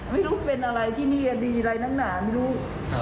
ไม่รู้เป็นอะไรที่นี่ดีอะไรนักหนาไม่รู้